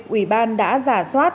ủy ban đã giả soát